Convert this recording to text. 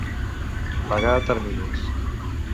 Pagar a terminis.